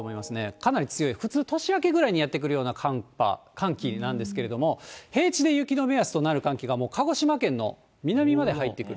かなり強い、普通年明けぐらいにやって来るような寒気なんですけれども、平地で雪の目安となる寒気が、もう鹿児島県の南まで入ってくる。